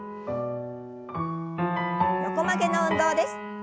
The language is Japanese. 横曲げの運動です。